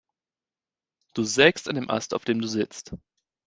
Du sägst an dem Ast, auf dem du sitzt.